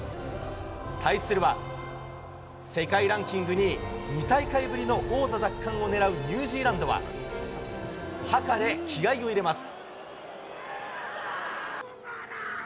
対するは、世界ランキング２位、２大会ぶりの王座奪還を狙うニュージーランドは、ハカで気合いを入れます。